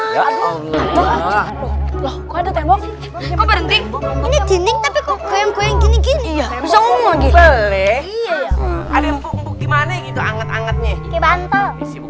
kok ada tembok berhenti ini jenis tapi kok kayak gini gini